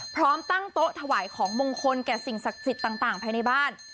พร้อมตั้งโต๊ะถวายของมงคลแก่สิ่งศักดิ์สิทธิ์ต่างภายในบ้าน